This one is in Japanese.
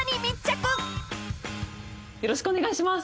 よろしくお願いします。